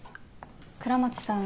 倉持さん